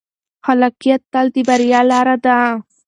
خلاقیت تل د بریا لاره ده.